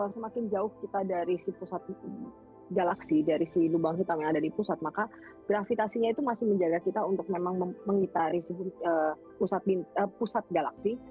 semakin jauh kita dari si pusat galaksi dari si lubang hitam yang ada di pusat maka gravitasinya itu masih menjaga kita untuk memang mengitari pusat galaksi